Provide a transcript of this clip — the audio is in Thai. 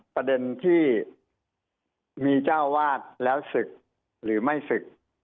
ประเด็นที่มีเจ้าวาดแล้วศึกหรือไม่ศึก